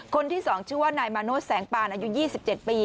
คนที่๒ชื่อว่านายมาโน้ตแสงปานอายุ๒๗ปี